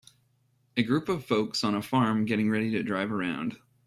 A group of folks on a farm getting ready to drive around